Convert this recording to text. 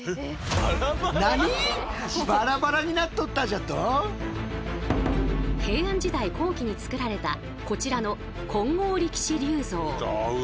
実は平安時代後期に作られたこちらの「金剛力士立像」。